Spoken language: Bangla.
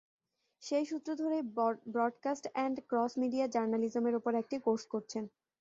সেই সূত্র ধরেই ব্রডকাস্ট অ্যান্ড ক্রস মিডিয়া জার্নালিজমের ওপর একটি কোর্স করছেন।